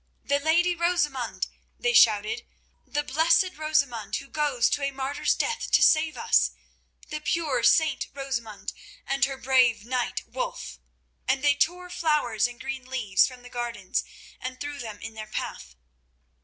"The lady Rosamund!" they shouted. "The blessed Rosamund, who goes to a martyr's death to save us. The pure Saint Rosamund and her brave knight Wulf!" And they tore flowers and green leaves from the gardens and threw them in their path.